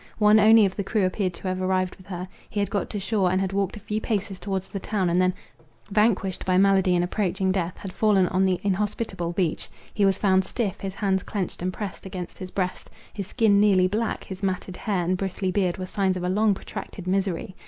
One only of the crew appeared to have arrived with her. He had got to shore, and had walked a few paces towards the town, and then, vanquished by malady and approaching death, had fallen on the inhospitable beach. He was found stiff, his hands clenched, and pressed against his breast. His skin, nearly black, his matted hair and bristly beard, were signs of a long protracted misery.